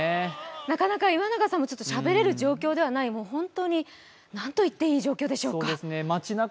なかなか岩永さんもしゃべれる状況ではない、本当になんと言ったらいい状況でしょうか。